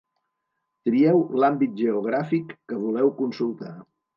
Trieu l'àmbit geogràfic que voleu consultar.